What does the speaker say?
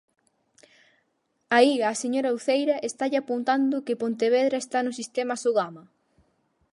Aí a señora Uceira estalle apuntando que Pontevedra está no sistema Sogama.